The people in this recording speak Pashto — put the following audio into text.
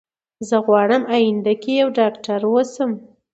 زه غواړم اينده کي يوه ډاکتره اوسم